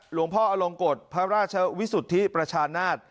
หลวงพ่ออลงกฎพระราชวิสุทธิประชานาศ